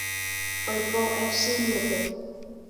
Oiko exiliope.